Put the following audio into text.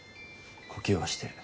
呼吸はしてる。